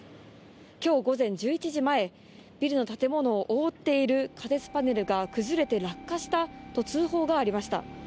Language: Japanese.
今日午前か１１時前、ビルの建物を覆っている仮設パネルが崩れて落下したと通報がありました。